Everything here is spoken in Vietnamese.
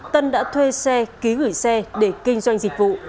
tân đã thuê xe ký gửi xe để kinh doanh dịch vụ